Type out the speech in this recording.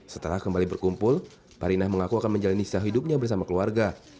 setelah kembali berkumpul parinah mengaku akan menjalani sisa hidupnya bersama keluarga